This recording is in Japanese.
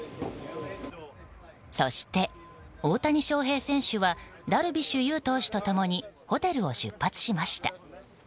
そして、大谷翔平選手はダルビッシュ有投手と一緒にホテルを出発しました。